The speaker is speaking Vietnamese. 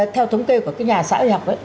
theo thống kê của cái nhà xã hội học